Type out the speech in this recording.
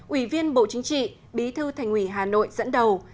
ủy viên bộ chính trị bí thư thành ủy hà nội dẫn đầu